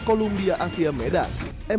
columbia asia medan